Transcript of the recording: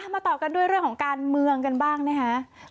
ต่อกันด้วยเรื่องของการเมืองกันบ้างนะคะ